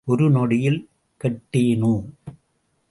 ஒரு நொடியில் கெட்டேனோ?